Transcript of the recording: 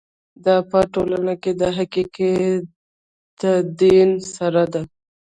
دا په ټولنه کې د حقیقي تدین سره ده.